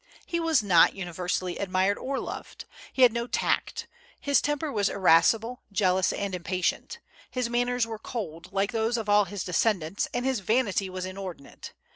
He was not universally admired or loved. He had no tact. His temper was irascible, jealous, and impatient; his manners were cold, like those of all his descendants, and his vanity was inordinate.